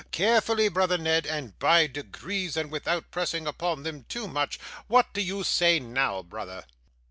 Carefully, brother Ned, and by degrees, and without pressing upon them too much; what do you say now, brother?